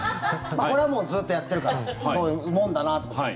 これもう、ずっとやってるからそういうもんだなと思って。